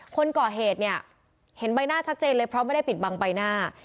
คนก่อเหตุเนี่ยเห็นใบหน้าชัดเจนเลยเพราะไม่ได้ปิดบังใบหน้า